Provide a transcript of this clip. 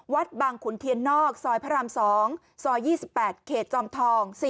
วัดบางขุนเทียนนอกซอยพระราม๒ซอย๒๘เขตจอมทอง๔